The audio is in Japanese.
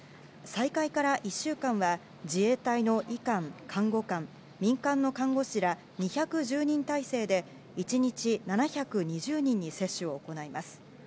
再開から１週間は自衛隊の医官・看護官民間の看護師ら２１０人態勢で１日７２０人に接種を行います。